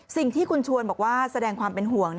สิ่งที่คุณชวนบอกว่าแสดงความเป็นห่วง